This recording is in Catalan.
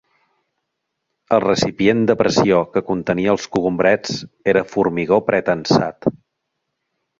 El recipient de pressió que contenia els cogombrets era formigó pretensat.